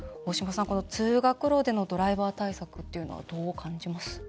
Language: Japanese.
通学路でのドライバー対策っていうのはどう感じます？